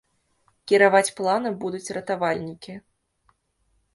Кіраваць планам будуць ратавальнікі.